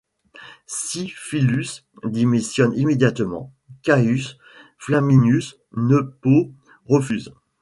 Si Philus démissionne immédiatement, Caius Flaminius Nepos refuse.